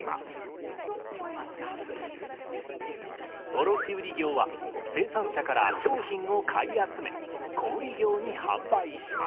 卸売業は生産者から商品を買い集め小売業に販売します。